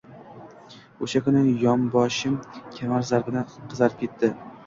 O‘sha kuni yonboshim kamar zarbidan qizarib ketdi..